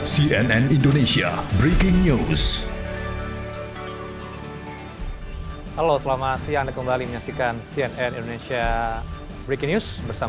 cnn indonesia breaking news